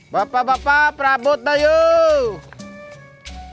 bapak bapak prabut playoffsp